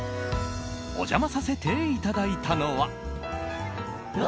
お邪魔させていただいたのは。